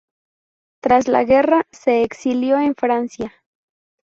Tras la guerra, se exilió en Francia.